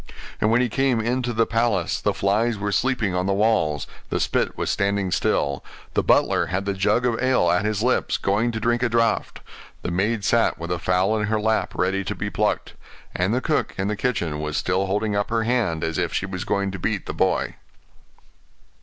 And when he came into the palace, the flies were sleeping on the walls; the spit was standing still; the butler had the jug of ale at his lips, going to drink a draught; the maid sat with a fowl in her lap ready to be plucked; and the cook in the kitchen was still holding up her hand, as if she was going to beat the boy.